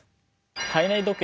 体内時計。